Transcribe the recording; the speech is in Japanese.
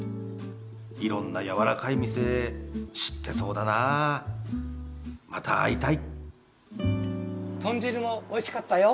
色んなやわらかい店知ってそうだなまた会いたい豚汁もおいしかったよ